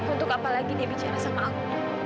untuk apa lagi dia bicara sama aku